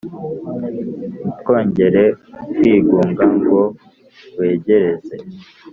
Ntiwongere kwigunga ngo wegereze